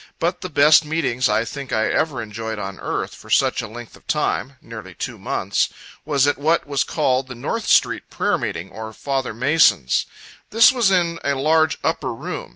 But the best meetings, I think I ever enjoyed on earth, for such a length of time, (nearly two months,) was at what was called the North street prayer meeting, or Father Mason's. This was in a large upper room.